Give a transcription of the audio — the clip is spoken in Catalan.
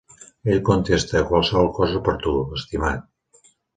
Ell contesta: "qualsevol cosa per tu, estimat",